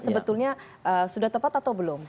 sebetulnya sudah tepat atau belum